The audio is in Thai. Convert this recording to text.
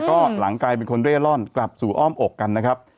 ก็หลังกลายเป็นคนเร่ร่อนกลับสู่อ้อมอกกันนะครับ